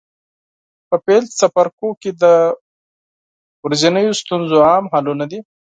په پیل څپرکو کې د ورځنیو ستونزو عام حلونه دي.